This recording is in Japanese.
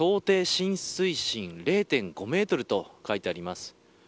浸水深０．５メートルと書いてあります。